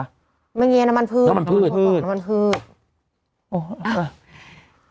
สถานีเรียนมันพืช